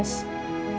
semangat mbak mirna